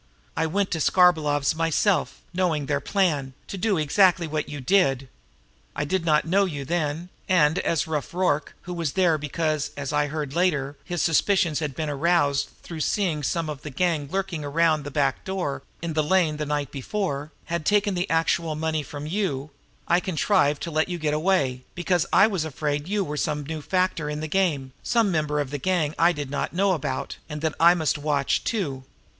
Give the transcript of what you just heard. I went to Skarbolov's myself, knowing their plans, to do exactly what you did. I did not know you then, and, as Rough Rorke, who was there because, as I heard later, his suspicions had been aroused through seeing some of the gang lurking around the back door in the lane the night before, had taken the actual money from you, I contrived to let you get away, because I was afraid that you were some new factor in the game, some member of the gang that I did not know about, and that I must watch, too!